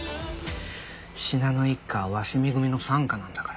信濃一家は鷲見組の傘下なんだから。